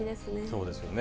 そうですよね。